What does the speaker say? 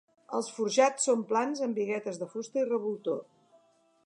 Els forjats són plans amb biguetes de fusta i revoltó.